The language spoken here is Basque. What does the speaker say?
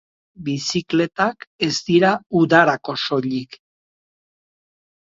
Bizikletak ez dira udarako soilik.